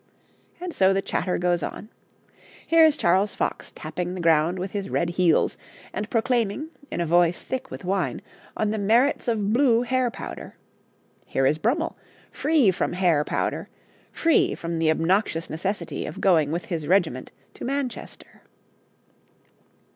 And so the chatter goes on. Here is Charles Fox tapping the ground with his red heels and proclaiming, in a voice thick with wine, on the merits of blue hair powder; here is Brummell, free from hair powder, free from the obnoxious necessity of going with his regiment to Manchester.